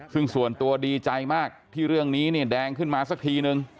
ซึ่งส่วนตัวดีใจมากที่เรื่องนี้เนี่ยแดงขึ้นมาสักทีนึง